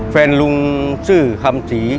แฟนลุงซื้อคำสี